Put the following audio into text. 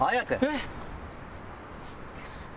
えっ。